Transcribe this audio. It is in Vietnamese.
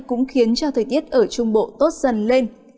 cũng khiến cho thời tiết ở trung bộ tốt dần lên